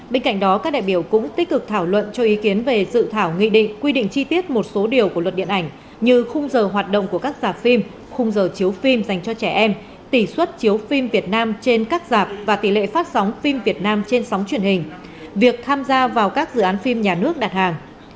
bên cạnh đó các đại biểu cũng tích cực thảo luận cho ý kiến về dự thảo nghị định quy định chi tiết một số điều của luật điện ảnh như khung giờ hoạt động của các giả phim khung giờ chiếu phim dành cho trẻ em tỷ suất chiếu phim việt nam trên các dạp và tỷ lệ phát sóng phim việt nam trên sóng truyền hình việc tham gia vào các dự án phim nhà nước đặt hàng